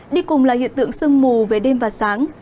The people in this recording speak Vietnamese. đi cùng là hiện tượng sương mù về đêm và sáng